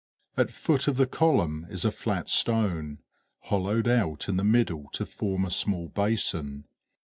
At foot of the column is a flat stone, hollowed out in the middle to form a small basin.